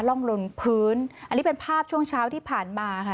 ร่องลนพื้นอันนี้เป็นภาพช่วงเช้าที่ผ่านมาค่ะ